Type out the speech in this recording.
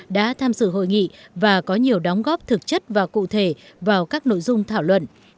đã tham dự hội nghị và có nhiều đóng góp thực chất và cụ thể vào các nội dung thảo luận